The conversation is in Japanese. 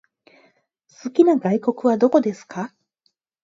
好きな外国はどこですか？